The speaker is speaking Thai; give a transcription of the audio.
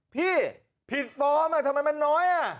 พี่ผิดฟอร์มทำไมมันน้อย